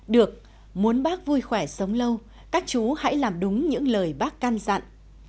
được muốn bác vui khỏe sống lâu các chú hãy làm đúng những lời bác can dặn